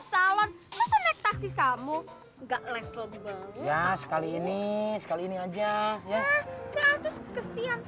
salon pas naik taksi kamu enggak level ya sekali ini sekali ini aja ya